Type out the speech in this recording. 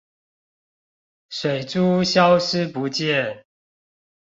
水珠消失不見